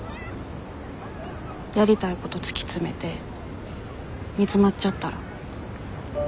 やりたいこと突き詰めて煮詰まっちゃったら。